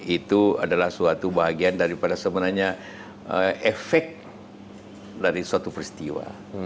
itu adalah suatu bahagian daripada sebenarnya efek dari suatu peristiwa